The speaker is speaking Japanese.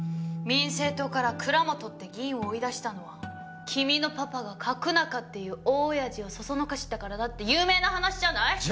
民政党から蔵本って議員を追い出したのは君のパパが角中っていう大親父をそそのかしたからだって有名な話じゃない？